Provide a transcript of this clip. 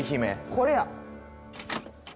これや。